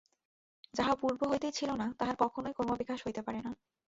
যাহা পূর্ব হইতেই ছিল না, তাহার কখনও ক্রমবিকাশ হইতে পারে না।